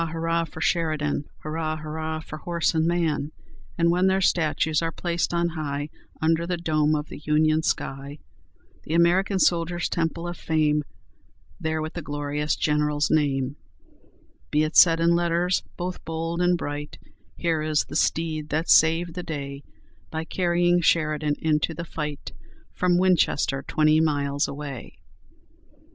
hurrah for Sheridan! Hurrah! hurrah for horse and man! And when their statues are placed on high, Under the dome of the Union sky, The American soldier's Temple of Fame, There with the glorious General's name, Be it said in letters both bold and bright, 'Here is the steed that saved the day, By carrying Sheridan into the fight From Winchester, twenty miles away!'"